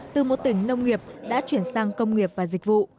từ một tỉnh nông nghiệp đã chuyển sang công nghiệp và dịch vụ